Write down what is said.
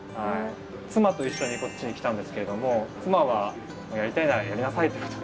妻と一緒にこっちに来たんですけれども妻はやりたいならやりなさいってことで。